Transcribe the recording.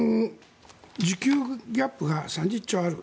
需給ギャップが３０兆ある。